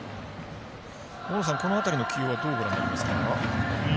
大野さん、この辺りの起用はどうご覧になりますか？